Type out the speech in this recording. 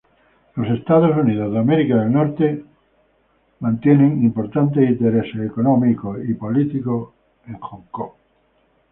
Los Estados Unidos mantienen importantes intereses económicos y políticos en Hong Kong.